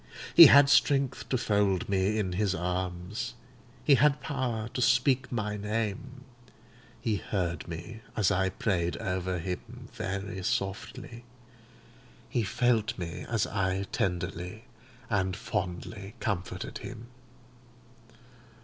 He had strength to fold me in his arms; he had power to speak my name; he heard me as I prayed over him very softly; he felt me as I tenderly and fondly comforted him.